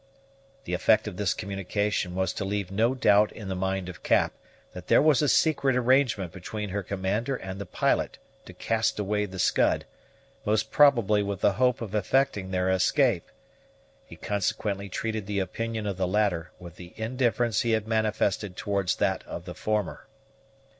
The effect of this communication was to leave no doubt in the mind of Cap that there was a secret arrangement between her commander and the pilot to cast away the Scud; most probably with the hope of effecting their escape. He consequently treated the opinion of the latter with the indifference he had manifested towards that of the former.